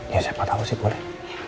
iya siapa tau sih boleh